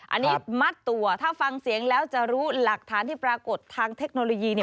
อันนี้มัดตัวถ้าฟังเสียงแล้วจะรู้หลักฐานที่ปรากฏทางเทคโนโลยีเนี่ย